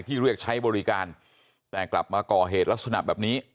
เรียกใช้บริการแต่กลับมาก่อเหตุลักษณะแบบนี้